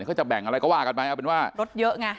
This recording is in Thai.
เขาจะแบ่งอะไรก็ว่ากันไปเอาเป็นว่ารถเยอะไง